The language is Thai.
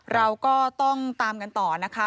เราก็ต้องตามกันต่อนะคะ